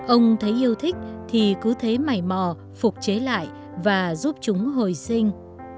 ông thấy yêu thích thì cứ thế mày mò phục chế lại và giúp chúng hồi sinh